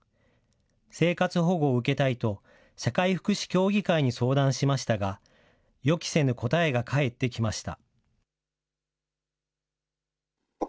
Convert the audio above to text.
生活保護を受けたいと、社会福祉協議会に相談しましたが、予期せぬ答えが返ってきました。